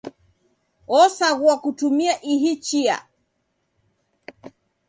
Osaghua kutumia ihi chia.